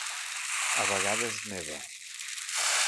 A vegades neva.